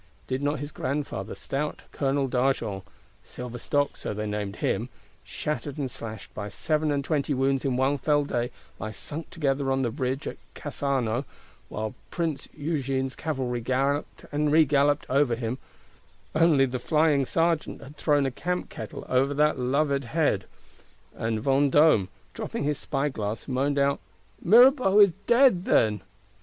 Did not his Grandfather, stout Col d'Argent (Silver Stock, so they named him), shattered and slashed by seven and twenty wounds in one fell day lie sunk together on the Bridge at Casano; while Prince Eugene's cavalry galloped and regalloped over him,—only the flying sergeant had thrown a camp kettle over that loved head; and Vendôme, dropping his spyglass, moaned out, "Mirabeau is dead, then!"